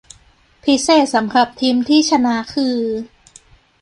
พิเศษสำหรับทีมที่ชนะคือ